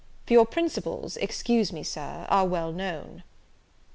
for your principles, excuse me, Sir, are well known."